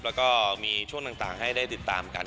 แล้วก็มีช่วงต่างให้ได้ติดตามกัน